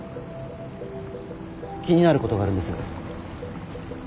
気になることがあるんです。